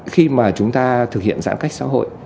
khi mà chúng ta thực hiện giãn cách xã hội